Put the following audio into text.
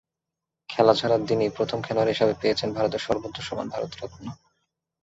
খেলা ছাড়ার দিনই প্রথম খেলোয়াড় হিসেবে পেয়েছেন ভারতের সর্বোচ্চ সম্মান ভারতরত্ন।